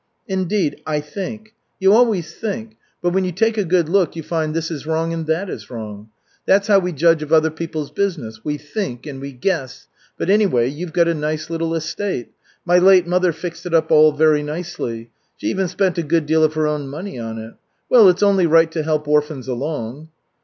"Indeed, 'I think.' You always 'think,' but when you take a good look you find this is wrong and that is wrong. That's how we judge of other people's business. We 'think' and we 'guess!' But anyway, you've got a nice little estate. My late mother fixed it all up very nicely. She even spent a good deal of her own money on it. Well, it's only right to help orphans along."